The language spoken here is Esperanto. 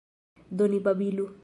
Do ni babilu.